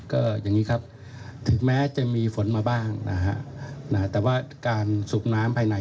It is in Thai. ก็อย่างนี้ครับถึงแม้จะมีฝนมาบ้างนะฮะแต่ว่าการสูบน้ำภายใน